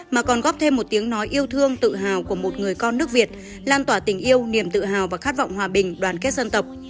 mà còn góp thêm một tiếng nói yêu thương tự hào của một người con nước việt lan tỏa tình yêu niềm tự hào và khát vọng hòa bình đoàn kết dân tộc